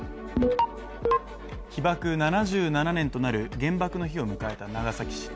被爆７７年となる原爆の日を迎えた長崎市。